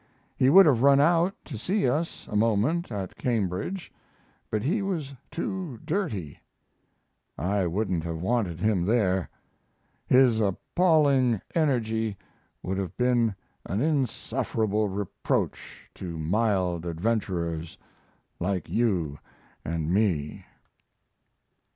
He would have run out to see us a moment at Cambridge but he was too dirty. I wouldn't have wanted him there; his appalling energy would have been an insufferable reproach to mild adventurers like you and me.